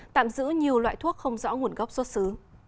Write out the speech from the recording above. tạm giữ nhiều loại thuốc không rõ nguồn gốc xuất xứ